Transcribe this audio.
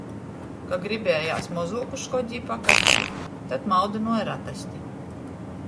Ka gribējēs mozuoku škodi i pakasti, tod maudynuoja ratesti.